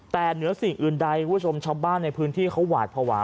แต่เหนือสิ่งอื่นใดคุณผู้ชมชาวบ้านในพื้นที่เขาหวาดภาวะ